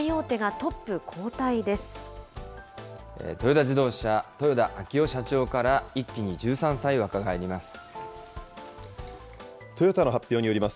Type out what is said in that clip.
トヨタ自動車、豊田章男社長から一気に１３歳若返ります。